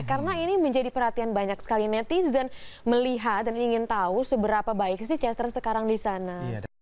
karena ini menjadi perhatian banyak sekali netizen melihat dan ingin tahu seberapa baik sih chester sekarang di sana